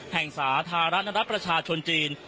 สาธารณรัฐประชาชนจีน